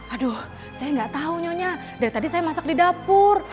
aduh saya nggak tahu nyonya dari tadi saya masak di dapur